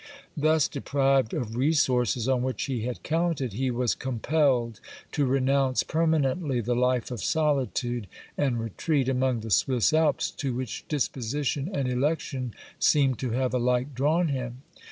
^ Thus deprived of resources on which he had counted, he was compelled to renounce permanently the life of solitude and retreat among the Swiss Alps to which disposition and election seem to have alike drawn him.